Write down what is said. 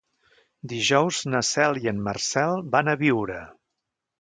Dijous na Cel i en Marcel van a Biure.